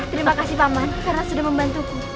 terima kasih paman karena sudah membantuku